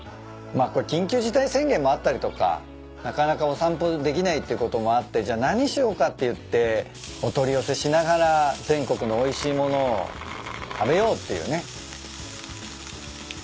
まあ緊急事態宣言もあったりとかなかなかお散歩できないってこともあってじゃあ何しようかって言ってお取り寄せしながら全国のおいしい物を食べようっていうね。